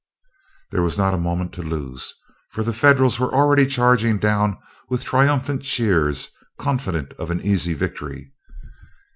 There was not a moment to lose, for the Federals were already charging down with triumphant cheers, confident of an easy victory.